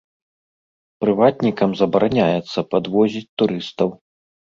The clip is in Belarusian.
Прыватнікам забараняецца падвозіць турыстаў.